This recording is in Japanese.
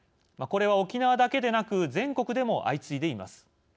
これは沖縄だけでなく全国でも相次いでいます。